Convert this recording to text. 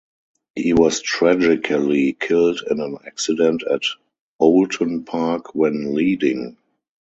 He was tragically killed in an accident at Oulton Park when leading.